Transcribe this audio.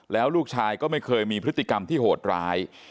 แล้วลูกชายก็ไม่เคยมีพฤติกรรมที่โหดร้าย